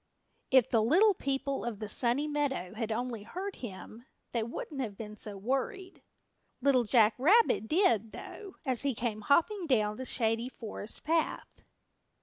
If the Little People of the Sunny Meadow had only heard him they wouldn't have been so worried. Little Jack Rabbit did, though, as he came hopping down the Shady Forest Path.